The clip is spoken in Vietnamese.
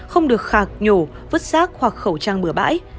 không được khạc nhổ vứt xác hoặc khẩu trang bửa bãi